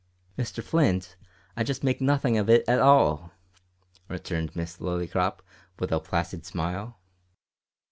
"Mr Flint, I just make nothing of it at all," returned Miss Lillycrop, with a placid smile.